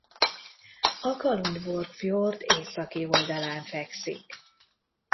A Kalundborg-fjord északi oldalán fekszik.